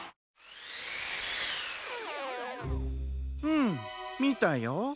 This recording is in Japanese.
うんみたよ。